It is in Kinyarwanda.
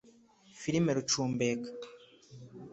Filime Rucumbeka